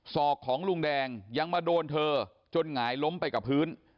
อกของลุงแดงยังมาโดนเธอจนหงายล้มไปกับพื้น